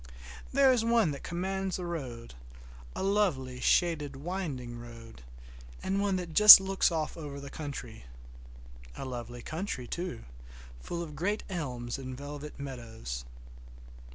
There is one that commands the road, a lovely, shaded, winding road, and one that just looks off over the country. A lovely country, too, full of great elms and velvet meadows.